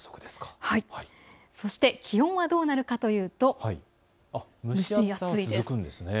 そして気温はどうなるかというと蒸し暑いです。